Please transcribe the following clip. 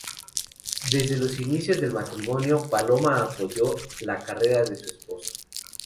Desde los inicios del matrimonio, Paloma apoyó la carrera de su esposo.